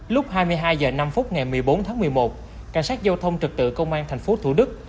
lúc hai mươi hai h năm ngày một mươi bốn tháng một mươi một cảnh sát giao thông trực tự công an tp thủ đức